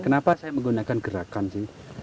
kenapa saya menggunakan gerakan sih